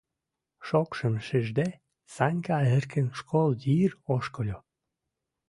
Шокшым шижде, Санька эркын школ йыр ошкыльо.